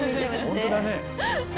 本当だね。